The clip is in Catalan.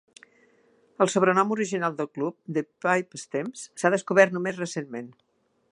El sobrenom original del club, The Pipe Stems, s'ha descobert només recentment.